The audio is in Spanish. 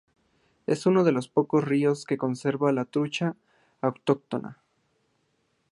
Y es uno de los pocos ríos que conservan la trucha autóctona.